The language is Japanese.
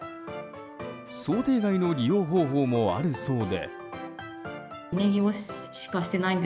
想定外の利用方法もあるそうで。